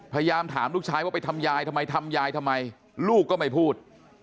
พยายามถามลูกชายว่าไปทำยายทำไมทำยายทำไมลูกก็ไม่พูด